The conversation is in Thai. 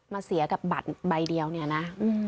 เสียกับบัตรใบเดียวเนี่ยนะ